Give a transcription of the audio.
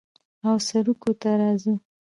او سروکو ته راځو